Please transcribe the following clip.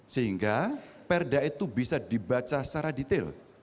sehingga perda itu bisa dibaca secara detail